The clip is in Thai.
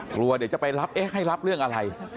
กลัวเดี๋ยวจะไปให้รับเรื่องอะไร